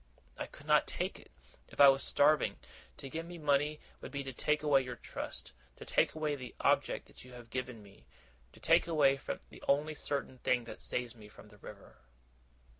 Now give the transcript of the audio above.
'I could not take it, if I was starving. To give me money would be to take away your trust, to take away the object that you have given me, to take away the only certain thing that saves me from the river.